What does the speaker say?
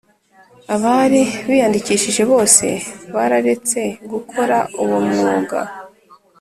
Abari biyandikishije bose bararetse gukora uwo umwuga